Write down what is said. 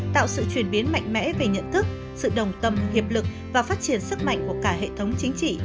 tạo sự chuyển biến mạnh mẽ về nhận thức sự đồng tâm hiệp lực và phát triển sức mạnh của cả hệ thống chính trị